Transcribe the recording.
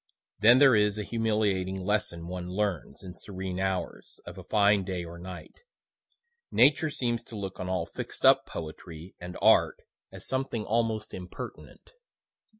(Then there is a humiliating lesson one learns, in serene hours, of a fine day or night. Nature seems to look on all fixed up poetry and art as something almost impertinent.)